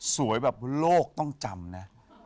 แบบโลกต้องจำนะ